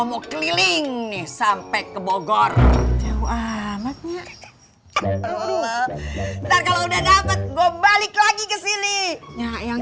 mau keliling nih sampai ke bogor jauh amatnya kalau udah dapat gua balik lagi ke sini yang